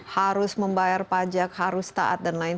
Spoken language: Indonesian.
harus membayar pajak harus taat dan lain